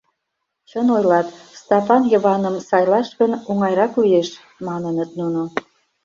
«Чын ойлат, Стапан Йываным сайлаш гын, оҥайрак лиеш», маныныт нуно.